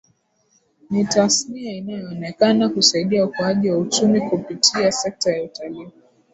Ni tasnia inayoonekana kusaidia ukuaji wa uchumi kupitia sekta ya Utalii